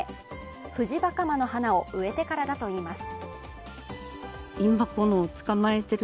フジバカマの花を植えてからだといいます。